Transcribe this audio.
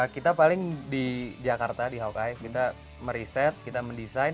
kita paling di jakarta di hawkype kita meriset kita mendesain